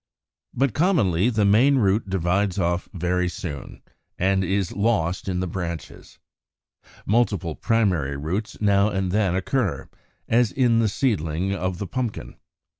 But commonly the main root divides off very soon, and is lost in the branches. Multiple primary roots now and then occur, as in the seedling of Pumpkin (Fig.